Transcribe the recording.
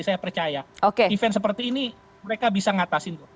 saya percaya event seperti ini mereka bisa mengatasin